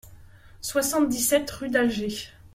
soixante-dix-sept rue d'Alger